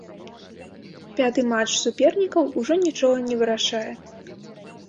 Пяты матч супернікаў ужо нічога не вырашае.